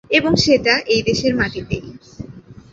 এবং সেটা এই দেশের মাটিতেই।